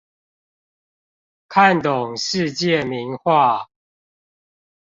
看懂世界名畫